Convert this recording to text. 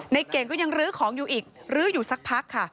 เก่งก็ยังลื้อของอยู่อีกลื้ออยู่สักพักค่ะ